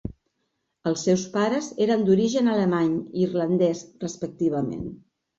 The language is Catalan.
Els seus pares eren d'origen alemany i irlandès respectivament.